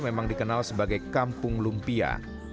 memang dikenal sebagai kampung lumpia